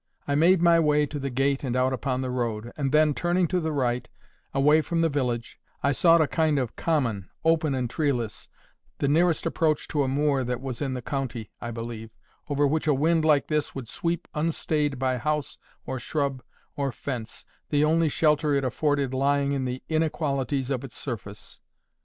I made my way to the gate and out upon the road, and then, turning to the right, away from the village, I sought a kind of common, open and treeless, the nearest approach to a moor that there was in the county, I believe, over which a wind like this would sweep unstayed by house, or shrub, or fence, the only shelter it afforded lying in the inequalities of its surface.